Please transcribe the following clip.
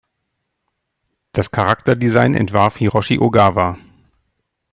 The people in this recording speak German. Das Charakterdesign entwarf Hiroshi Ogawa.